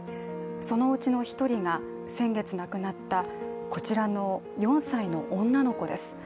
そのうちの一人が先月亡くなったこちらの４歳の女の子です。